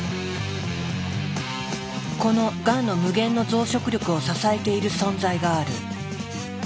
このがんの無限の増殖力を支えている存在がある。